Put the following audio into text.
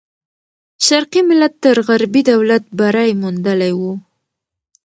شرقي ملت تر غربي دولت بری موندلی وو.